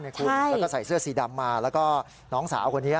แล้วก็ใส่เสื้อสีดำมาแล้วก็น้องสาวคนนี้